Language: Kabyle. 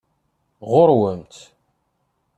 Ɣur-wamt!